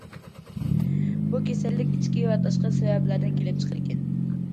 بۇ كېسەللىك ئىچكى ۋە تاشقى سەۋەبلەردىن كېلىپ چىقىدىكەن.